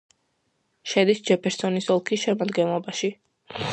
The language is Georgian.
შედის ჯეფერსონის ოლქის შემადგენლობაში.